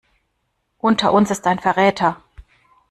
Unter uns ist ein Verräter.